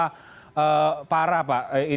memang kondisinya sudah seberapa parah